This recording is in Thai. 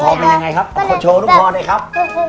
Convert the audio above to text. ลูกคอเป็นยังไงครับโชว์ลูกคอด้วยครับ